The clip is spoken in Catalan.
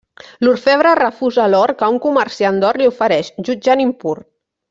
L'orfebre refusa l'or que un Comerciant d'or li ofereix, jutjant impur.